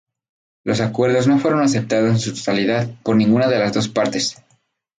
Los acuerdos no fueron aceptados en su totalidad por ninguna de las dos partes.